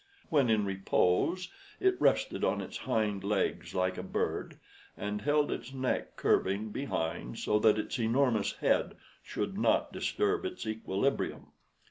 When in repose it rested on its hind legs like a bird, and held its neck curving behind, so that its enormous head should not disturb its equilibrium.